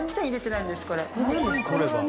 これはね